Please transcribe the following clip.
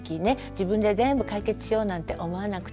自分で全部解決しようなんて思わなくていいんです。